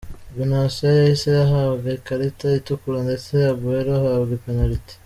Benatia yahise ahabwa ikarita itukura ndetse Aguero ahabwa penaliti.